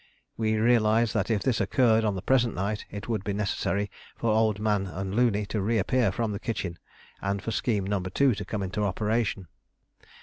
We realised that if this occurred on the present night it would be necessary for Old Man and Looney to reappear from the kitchen, and for scheme No. 2 to come into operation.